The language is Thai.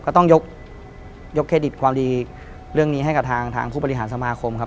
ก็ต้องยกเครดิตความดีเรื่องนี้ให้กับทางผู้บริหารสมาคมครับ